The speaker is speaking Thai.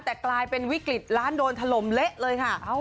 แต่กลายเป็นวิกฤตร้านโดนถล่มเละเลยค่ะ